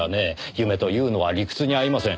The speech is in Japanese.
夢というのは理屈に合いません。